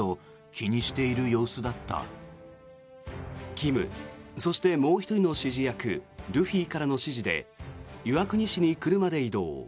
キムそしてもう１人の指示役ルフィからの指示で岩国市に車で移動。